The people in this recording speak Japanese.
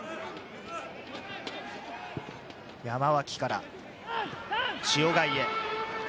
山脇から塩貝へ。